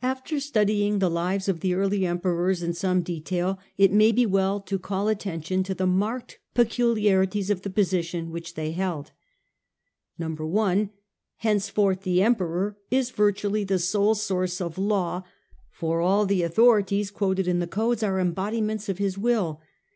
After studying the lives of the early Emperors in some detail it may be well to call attention to the marked pecu ■ liarities of the position which they filled. 1. Henceforth the Emperor is virtually the sole source of law, for all the authorities quoted in the codes are embodiments of his will.